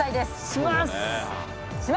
します！